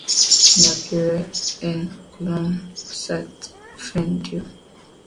La pierre enclume s’était fendue.